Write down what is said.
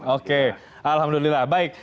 oke alhamdulillah baik